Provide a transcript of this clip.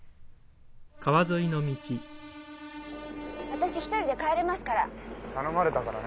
私一人で帰れますから。